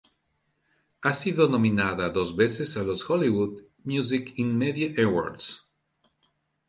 Ha sido nominada dos veces a los Hollywood Music in Media Awards.